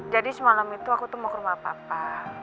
jadi semalam itu aku tuh mau ke rumah papa